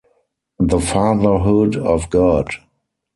The Fatherhood of God.